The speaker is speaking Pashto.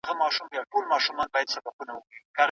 موږ به د پانګي دوران نور هم چټکوو.